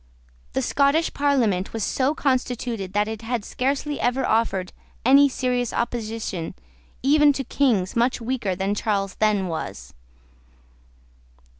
The Scottish Parliament was so constituted that it had scarcely ever offered any serious opposition even to Kings much weaker than Charles then was.